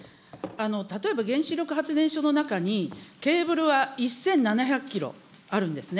例えば、原子力発電所の中に、ケーブルは１７００キロあるんですね。